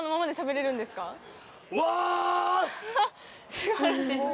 素晴らしい。